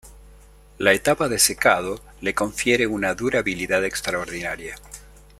La etapa de secado le confiere una durabilidad extraordinaria.